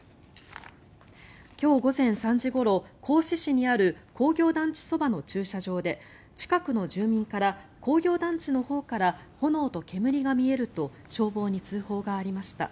今日午前３時ごろ、合志市にある工業団地そばの駐車場で近くの住民から工業団地のほうから炎と煙が見えると消防に通報がありました。